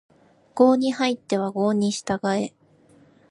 郷に入っては郷に従え